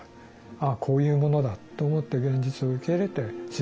ああこういうものだと思って現実を受け入れて静かに死んでいく。